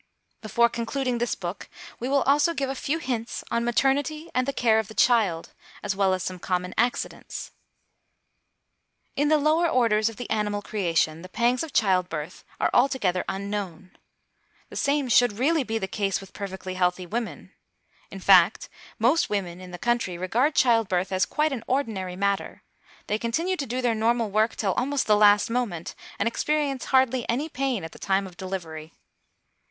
Before concluding this book, we will also give a few hints on maternity and the care of the child, as well as some common accidents. In the lower orders of the animal creation, the pangs of child birth are altogether unknown. The same should really be the case with perfectly healthy women. In fact, most women in the country regard child birth as quite an ordinary matter; they continue to do their normal work till almost the last moment, and experience hardly any pain at the time of delivery.